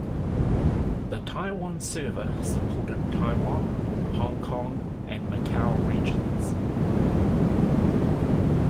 The Taiwan server supported Taiwan, Hong Kong and Macau regions.